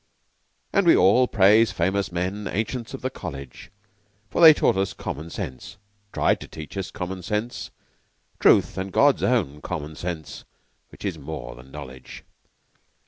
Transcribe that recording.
And we all praise famous men Ancients of the College; For they taught us common sense Tried to teach us common sense Truth and God's Own Common Sense Which is more than knowledge!